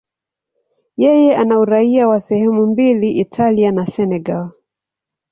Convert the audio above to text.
Yeye ana uraia wa sehemu mbili, Italia na Senegal.